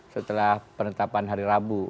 setelah penetapan hari rabu